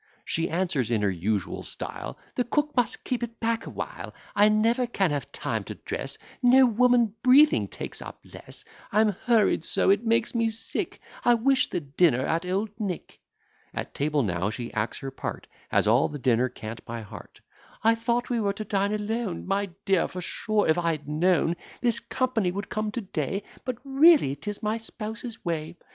She answers, in her usual style, "The cook must keep it back a while; I never can have time to dress, No woman breathing takes up less; I'm hurried so, it makes me sick; I wish the dinner at Old Nick." At table now she acts her part, Has all the dinner cant by heart: "I thought we were to dine alone, My dear; for sure, if I had known This company would come to day But really 'tis my spouse's way!